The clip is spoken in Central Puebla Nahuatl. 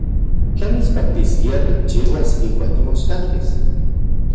¿Tlen mitspaktiskia tikchiuas ijkuak timoskaltis?